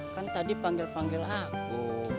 kan tadi panggil panggil aku